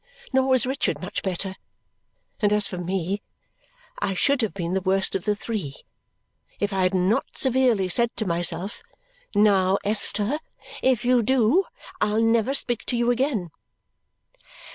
Nor was Richard much better; and as for me, I should have been the worst of the three if I had not severely said to myself, "Now Esther, if you do, I'll never speak to you again!"